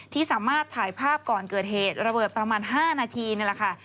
ที่สามารถถ่ายภาพก่อนเกิดเหตุระเบิดประมาณ๕นาทีนี่แหละค่ะ